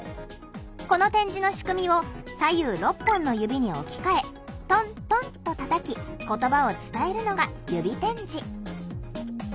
この点字の仕組みを左右６本の指に置き換え「トントン」とたたき言葉を伝えるのが指点字。